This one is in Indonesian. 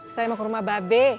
saya mau ke rumah babe